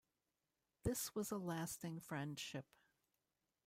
This was a lasting friendship.